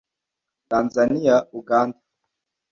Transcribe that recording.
Tanzaniya Uganda